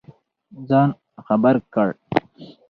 ځان خبر کړ.